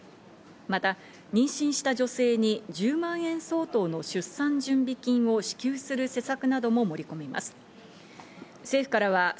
また妊娠した女性に１０万円相当の出産準備金を支給する施策なども盛り込みます。